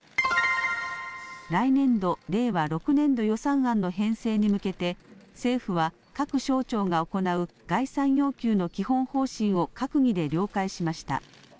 来年度・令和６年度予算案の編成に向けて、政府は各省庁が行う概算要求の基本方針を閣議で了解しました。